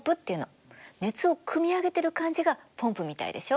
熱をくみ上げてる感じがポンプみたいでしょう。